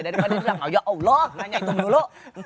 daripada bilang ya allah nanya itu mulu